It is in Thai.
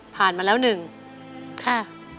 ผ่านมาแล้ว๑ค่ะ